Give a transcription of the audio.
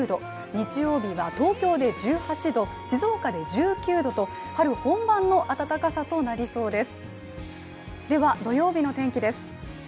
日曜日は東京で１８度、静岡で１９度と春本番の暖かさとなりそうです。